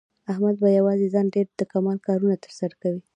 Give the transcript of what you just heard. احمد په یووازې ځان ډېر د کمال کارونه تر سره کوي.